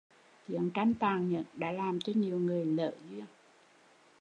Chiến tranh tàn nhẫn đã làm cho nhiều người lỡ duyên